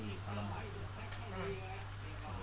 ไม่ไม่ไม่ไม่มีคนของผมจ่าย